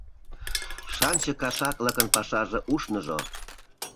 Шанче кашаклыкын пашаже ушныжо!